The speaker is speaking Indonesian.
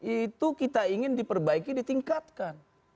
itu kita ingin diperbaiki ditingkatkan